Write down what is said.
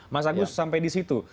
mas agus sampai di situ